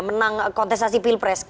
menang kontestasi pilpres